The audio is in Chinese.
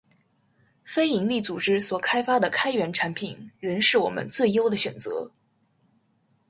非营利组织所开发的开源产品，仍是我们最优的选择